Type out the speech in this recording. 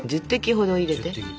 １０滴ほど入れて。